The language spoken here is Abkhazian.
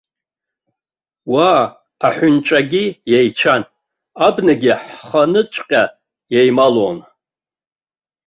Уа аҳәынҵәагьы еицәан, абнагьы ҳханыҵәҟьа еималон.